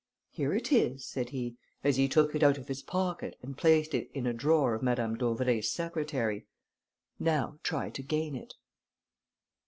Here it is," said he, as he took it out of his pocket and placed it in a drawer of Madame d'Auvray's secretary; "now try to gain it."